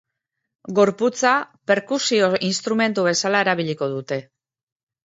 Gorputza perkusio instrumentu bezala erabiliko dute.